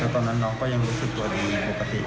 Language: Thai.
คือตอนนั้นน้องก็ยังรู้สึกตัวอยู่ในปกติ